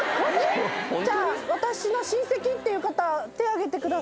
じゃあ私の親戚っていう方手挙げてください。